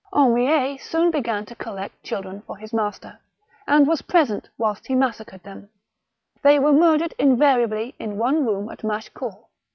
THE MARfeCHAL DE RETZ. 219 Henriet soon began to collect children for his master, and was present whilst he massacred them. They were murdered invariably in one room at Machecoul.